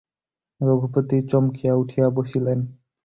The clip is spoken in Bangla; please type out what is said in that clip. রঘুপতি চমকিয়া উঠিয়া বসিলেন।